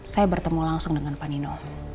saya bertemu langsung dengan pak nino